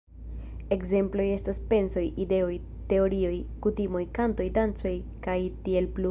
Ekzemploj estas pensoj, ideoj, teorioj, kutimoj, kantoj, dancoj kaj tiel plu.